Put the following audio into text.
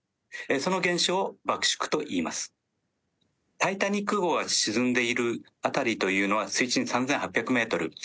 「タイタニック」号が沈んでいる辺りというのは水中３８００ｍ